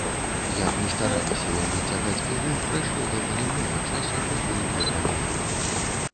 Як ні стараліся яны цягаць пілу, прайшло даволі многа часу, пакуль дрэва лягло.